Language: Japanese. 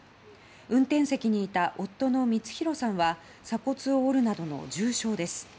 運転席にいた夫の光浩さんは鎖骨を折るなどの重傷です。